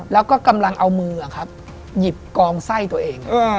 แล้วก็กำลังเอามือครับหยิบกองไส้ตัวเอง